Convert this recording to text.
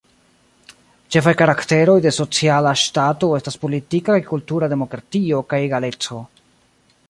Ĉefaj karakteroj de Sociala Ŝtato estas politika kaj kultura demokratio kaj egaleco.